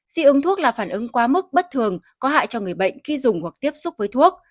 dị ứng thuốc là phản ứng quá mức bất thường có hại cho người bệnh khi dùng hoặc tiếp xúc với thuốc